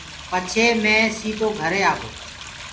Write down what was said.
پچهي مي سيٚدو گهري آگو۔